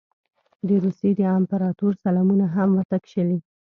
د روسیې د امپراطور سلامونه هم ورته کښلي.